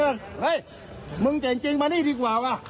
เฮ้ยมึงเจ๋งจริงมานี่ดีกว่าว่ะ